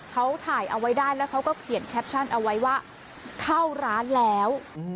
เขาถ่ายเอาไว้ได้แล้วเขาก็เขียนแคปชั่นเอาไว้ว่าเข้าร้านแล้ว